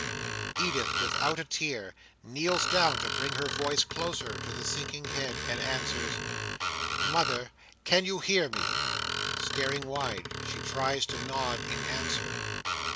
Edith, without a tear, kneels down to bring her voice closer to the sinking head, and answers: "Mother, can you hear me?" Staring wide, she tries to nod in answer.